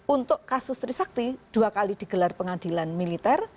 untuk kasus trisakti dua kali digelar pengadilan militer